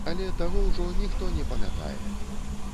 Але таго ўжо ніхто не памятае.